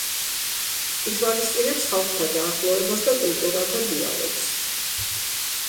ითვალისწინებს ხალხთა დაახლოებას და კულტურათა დიალოგს.